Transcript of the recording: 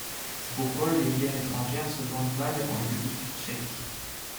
C'est pourquoi les bières étrangères se vendent mal en République tchèque.